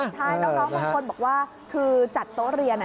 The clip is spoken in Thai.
ใช่น้องบางคนบอกว่าคือจัดโต๊ะเรียน